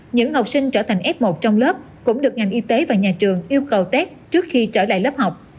những học sinh trở thành f một trong lớp cũng được ngành y tế và nhà trường yêu cầu test trước khi trở lại lớp học